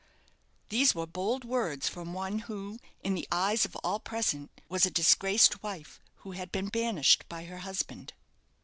These were bold words from one who, in the eyes of all present, was a disgraced wife, who had been banished by her husband.